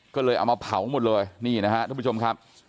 ก็เลยเอามาเผาหมดเลยทุกผู้ชมครับ